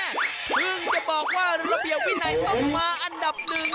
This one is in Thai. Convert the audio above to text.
เพิ่งจะบอกว่าระเบียบวินัยต้องมาอันดับหนึ่ง